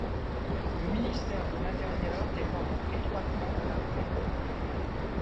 Le ministère de l'Intérieur dépend donc étroitement de l'armée.